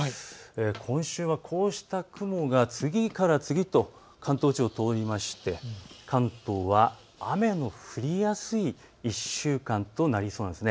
今週はこうした雲が次から次に関東地方を通りまして、関東は雨の降りやすい１週間となりそうです。